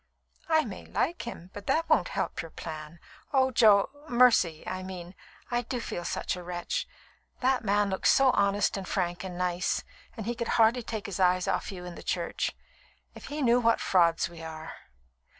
"I may like him, but that won't help your plan. Oh, Jo Mercy, I mean, I do feel such a wretch! That man looks so honest and frank and nice, and he could hardly take his eyes off you in church. If he knew what frauds we are!"